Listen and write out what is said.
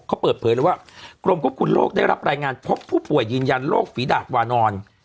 เขาเปิดเผยเลยว่ากรมควบคุมโรคได้รับรายงานพบผู้ป่วยยืนยันโรคฝีดาดวานอน